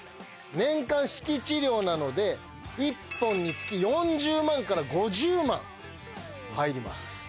年間敷地料なので一本につき４０万から５０万入ります。